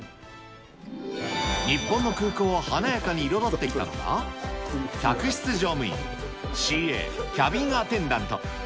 日本の空港を華やかに彩ってきたのが客室乗務員、ＣＡ・キャビンアテンダント。